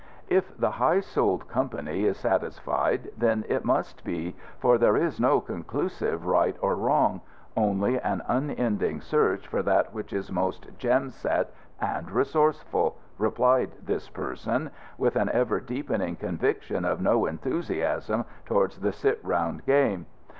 "If the high souled company is satisfied, then it must be, for there is no conclusive right or wrong only an unending search for that which is most gem set and resourceful," replied this person, with an ever deepening conviction of no enthusiasm towards the sit round game.